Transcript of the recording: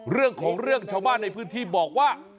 เรื่องของเรื่องชาวบ้านในพื้นที่บอกว่า